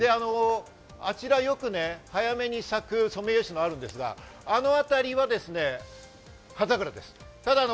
あちら、よく早めに咲くソメイヨシノがあるんですが、あの辺りは葉桜です。